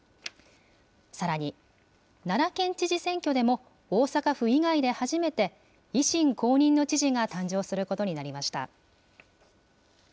さらに、奈良県知事選挙でも、大阪府以外で初めて、維新公認の知事が誕生することになりました。